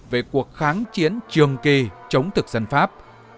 về cuộc kháng chiến trường kỳ chống thực dân pháp